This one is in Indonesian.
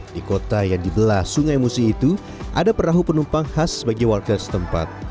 di kota yang dibelah sungai musi itu ada perahu penumpang khas bagi warga setempat